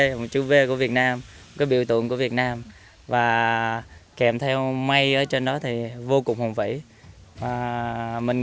một chú v của việt nam một cái biểu tượng của việt nam và kèm theo mây ở trên đó thì vô cùng hùng vĩ